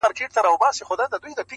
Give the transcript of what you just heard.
څوک چي ددې دور ملګري او ياران ساتي,